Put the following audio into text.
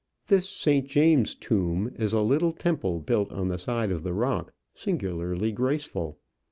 This St. James's tomb is a little temple built on the side of the rock, singularly graceful.